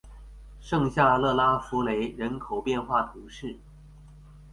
圣夏勒拉福雷人口变化图示